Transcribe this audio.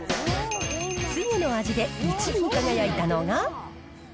つゆの味で１位に輝いたのが。